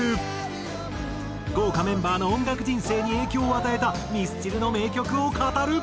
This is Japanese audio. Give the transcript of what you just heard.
豪華メンバーの音楽人生に影響を与えたミスチルの名曲を語る。